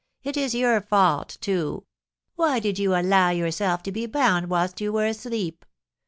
It is your fault, too; why did you allow yourself to be bound whilst you were asleep?